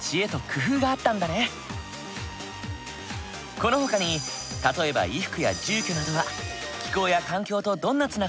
このほかに例えば衣服や住居などは気候や環境とどんなつながりがあるんだろう？